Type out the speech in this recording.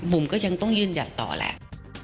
บุ๋มก็ยังต้องยื่นยันต่อแหละ